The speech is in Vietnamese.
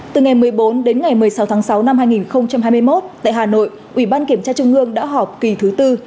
từ ngày một mươi bốn đến ngày một mươi sáu tháng sáu năm hai nghìn hai mươi một tại hà nội ủy ban kiểm tra trung ương đã họp kỳ thứ tư